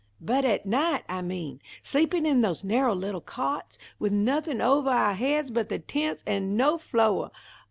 "But at night, I mean. Sleepin' in those narrow little cots, with nothin' ovah ou' heads but the tents, and no floah.